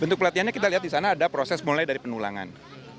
bentuk pelatihannya kita lihat di sana ada proses mulai dari penulangan